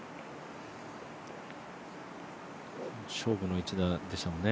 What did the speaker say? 勝負の１打でしたもんね